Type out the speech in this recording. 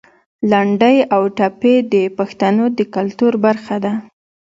لنډۍ او ټپې د پښتنو د کلتور برخه ده.